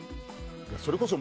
それこそ。